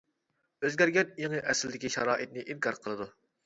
ئۆزگەرگەن ئېڭى ئەسلىدىكى شارائىتنى ئىنكار قىلىدۇ.